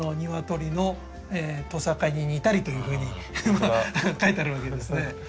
「の冠に似たり」というふうに書いてあるわけですね。